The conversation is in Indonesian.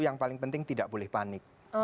yang paling penting tidak boleh panik